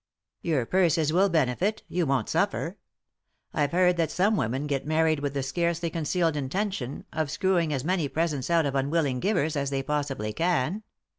"Your purses will benefit; you won't suffer. I've heard that some women get married with the scarcely concealed intention of screwing as many presents out of unwilling givers as they possibly can.